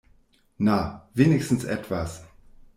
Na, wenigstens etwas.